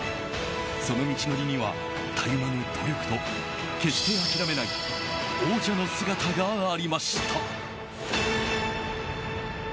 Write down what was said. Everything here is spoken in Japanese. その道のりにはたゆまぬ努力と、決して諦めない王者の姿がありました。